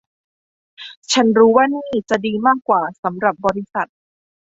ฉันรู้ว่านี่จะดีมากกว่าสำหรับบริษัท